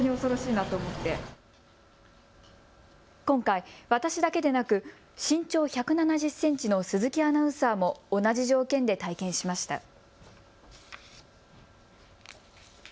今回、私だけでなく身長１７０センチの鈴木アナウンサーも同じ条件で体験しました。